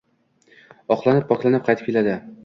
Oqlanib-poklanib qaytib keladi.